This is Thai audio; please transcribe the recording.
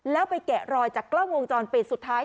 แล้วไปแกะรอยจากกล้องวงจรปิดสุดท้าย